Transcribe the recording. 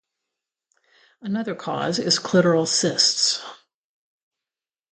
Another cause is clitoral cysts.